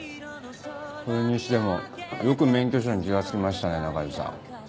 それにしてもよく免許証に気がつきましたね仲井戸さん。